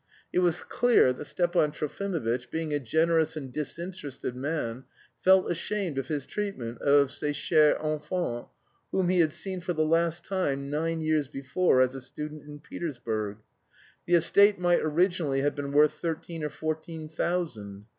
It was clear that Stepan Trofimovitch, being a generous and disinterested man, felt ashamed of his treatment of ce cher enfant (whom he had seen for the last time nine years before as a student in Petersburg). The estate might originally have been worth thirteen or fourteen thousand.